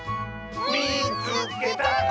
「みいつけた！」。